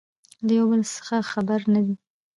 له يو بل څخه خبر نه دي